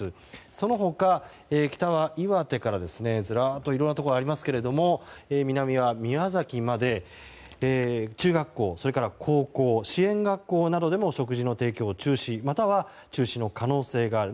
その他、北は岩手からずらっといろんなところがありますが南は宮崎まで中学校、高校、支援学校などでも食事の提供が中止または中止の可能性がある。